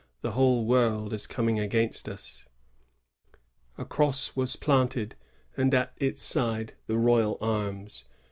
the whole world is coming against usi" A cross was planted, and at its side the royal arms.